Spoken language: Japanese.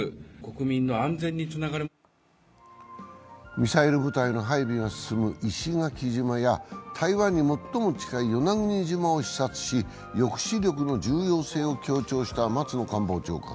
ミサイル部隊の配備が進む石垣島や台湾に最も近い与那国島を視察し、抑止力の重要性を強調した松野官房長官。